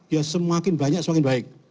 ya semakin banyak semakin baik